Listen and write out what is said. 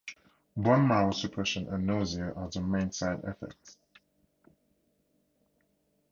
Bone marrow suppression and nausea are the main side effects.